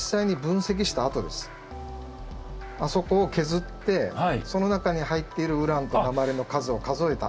それがあそこを削ってその中に入っているウランと鉛の数を数えた跡ですね。